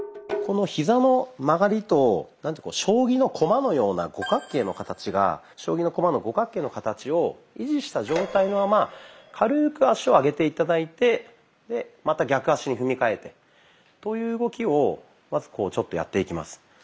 このヒザの曲がりと将棋の駒のような五角形の形を維持した状態のまま軽く足を上げて頂いてまた逆足に踏みかえてという動きをまずちょっとやっていきます。